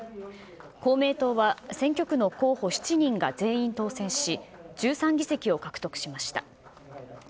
公明党は選挙区の候補７人が全員当選し、１３議席を獲得しました。